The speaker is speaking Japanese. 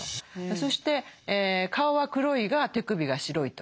そして顔は黒いが手首が白いと。